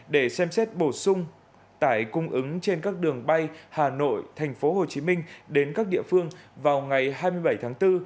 để xem xét bổ sung tải cung ứng trên các đường bay hà nội thành phố hồ chí minh đến các địa phương vào ngày hai mươi bảy tháng bốn